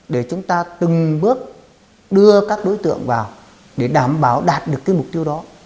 để chúng ta từng bước đưa các đối tượng vào để đảm bảo đạt được mục tiêu đó